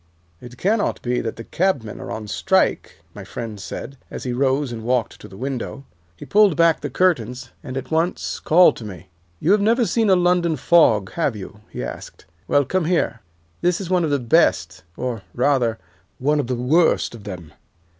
"'It cannot be that the cabmen are on strike,' my friend said, as he rose and walked to the window. "He pulled back the curtains and at once called to me. "'You have never seen a London fog, have you?' he asked. 'Well, come here. This is one of the best, or, rather, one of the worst, of them.